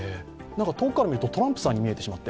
遠くから見るとトランプさんに見えてしまって。